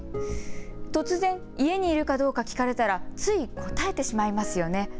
突然、家にいるかどうか聞かれたらつい答えてしまいますよね。